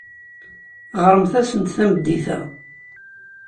Ɣremt-asent tameddit-a.